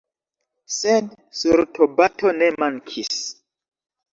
Sed sortobato ne mankis.